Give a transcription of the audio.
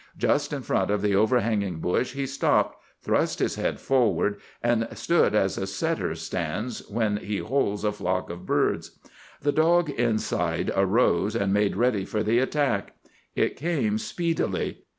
Just in front of the overhanging bush he stopped, thrust his head forward, and stood as a setter stands when he holds a flock of birds. The dog inside arose, and made ready for the attack. It came speedily.